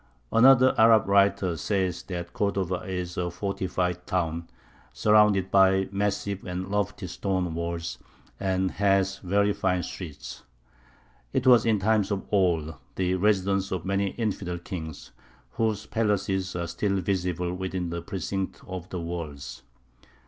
Another Arab writer says that Cordova "is a fortified town, surrounded by massive and lofty stone walls, and has very fine streets. It was in times of old the residence of many infidel kings, whose palaces are still visible within the precincts of the walls.